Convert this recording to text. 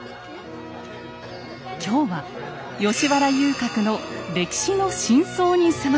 今日は吉原遊郭の歴史の真相に迫ります。